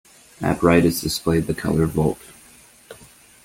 At right is displayed the color Volt.